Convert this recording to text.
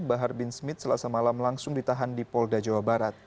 bahar bin smith selasa malam langsung ditahan di polda jawa barat